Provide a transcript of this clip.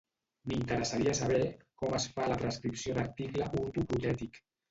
M'interessaria saber com es fa la prescripció d'article ortoprotètic.